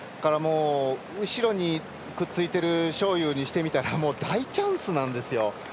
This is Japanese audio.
後ろにくっついてる章勇にしてみたら大チャンスなんですよ。